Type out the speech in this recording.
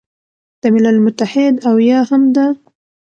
د ملل متحد او یا هم د